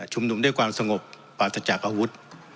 หนุ่มด้วยความสงบปราศจากอาวุธ